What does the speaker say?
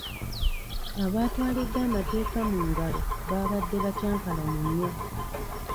Abaatwalidde amateeka mu ngalo baabadde bakyankalamu nnyo.